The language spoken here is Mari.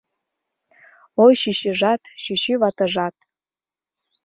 Ой, чӱчӱжат, чӱчӱватыжат.